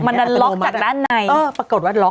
แล้วปรากฏว่าล็อก